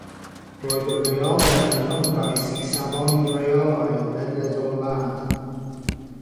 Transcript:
Roedd y rheolau'n ymgais i safoni'r rheolau ledled y wlad.